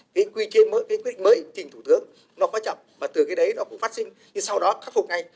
cái quy trình mới trình thủ tướng nó quá chậm mà từ cái đấy nó cũng phát sinh thì sau đó khắc phục ngay